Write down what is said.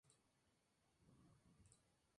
El estado de Berlín compró el Museo de la ciudad.